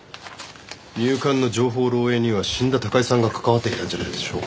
入管の情報漏洩には死んだ高井さんが関わっていたんじゃないでしょうか。